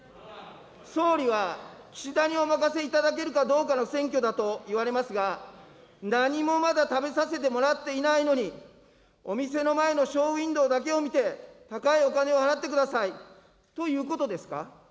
総理は、岸田にお任せいただけるかどうかの選挙だと言われますが、何もまだ食べさせてもらっていないのに、お店の前のショーウィンドウだけを見て、高いお金を払ってくださいということですか。